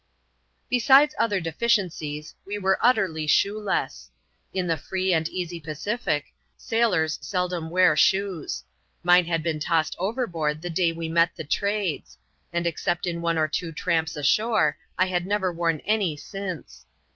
Besides other deficiencies, we were utterly shoeless. In the free and easy Pacific, sailors seldom wear shoes ; mine had heea tossed overboard the day we met the Trades; and except in one or two tramps ashore, I had never worn any since.